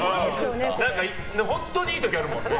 本当にいい時あるもんね。